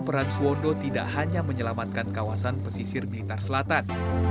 peran suwondo tidak hanya menyelamatkan kawasan pesisir militer selatan